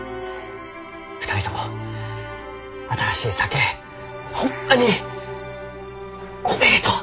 ２人とも新しい酒ホンマにおめでとう！